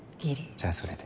じゃあそれで。